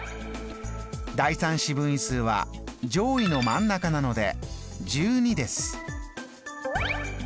第３四分位数は上位の真ん中なので１２です。